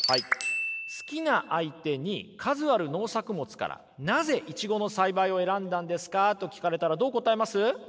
好きな相手に「数ある農作物からなぜイチゴの栽培を選んだんですか？」と聞かれたらどう答えます？